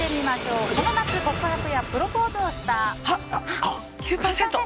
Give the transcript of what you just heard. この夏、告白やプロポーズをした？